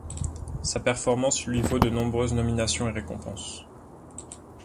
Sa performance lui vaut de nombreuses nominations et récompenses.